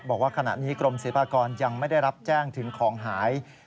บอกว่าขณะนี้กรมศิลปากรยังไม่ได้รับแจ้งถึงของหาย